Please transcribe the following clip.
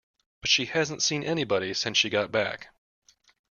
But she hasn't seen anybody since she got back.